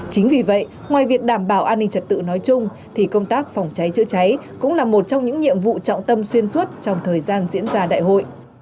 chính vì vậy ngoài việc đảm bảo an ninh trật tự nói chung thì công tác phòng cháy chữa cháy cũng là một trong những nhiệm vụ trọng tâm xuyên suốt trong thời gian diễn ra đại hội